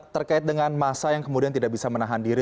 terkait dengan masa yang kemudian tidak bisa menahan diri